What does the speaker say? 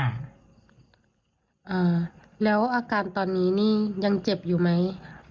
อ่าแล้วอาการตอนนี้นี่ยังเจ็บอยู่ไหม